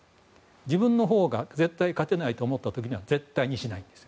自分のほうが絶対勝てないと思った時には絶対にしないんです。